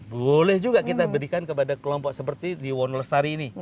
boleh juga kita berikan kepada kelompok seperti di wonolestari ini